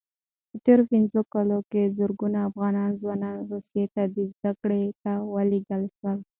په تېرو پنځو کلونو کې زرګونه افغان ځوانان روسیې ته زدکړو ته ولېږل شول.